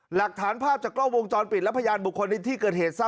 หลักฐานภาพจากกล้องวงจรปิดและพยานบุคคลในที่เกิดเหตุทราบ